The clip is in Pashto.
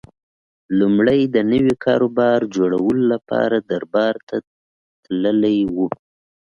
لومړی د نوي کاروبار جوړولو لپاره دربار ته تللی و